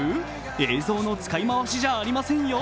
映像の使い回しじゃありませんよ。